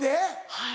はい。